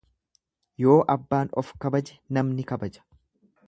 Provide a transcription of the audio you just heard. Yoo abbaan of kabaje namni kabaja.